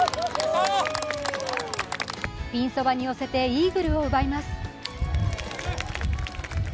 ピンそばに寄せてイーグルを奪います。